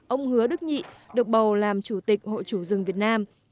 ông hứa đức nhị được bầu làm chủ tịch hội chủ rừng việt nam